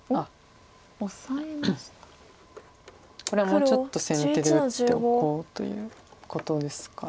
もうちょっと先手で打っておこうということですか。